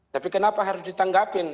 tapi kenapa harus ditanggapin